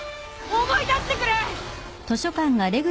思い出してくれ！